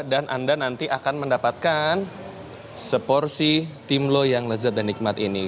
dan anda nanti akan mendapatkan seporsi tim lo yang lezat dan nikmat ini